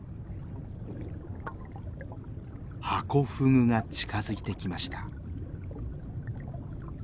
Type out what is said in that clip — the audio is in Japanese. ハコフグが近づいてきました。